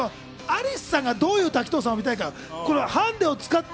アリスさんがどういう滝藤さんを見たいか。